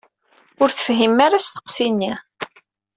Ur tefhimem ara asteqsi-nni.